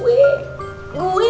gue yang kagak tau diri